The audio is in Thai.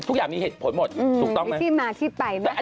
ทุกอย่างมีเหตุผลหมด